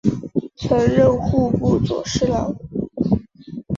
曾任户部左侍郎。